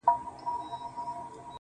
• زه به غمو ته شاعري كومه.